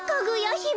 ひめ！